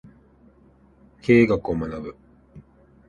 経営学を学ぶ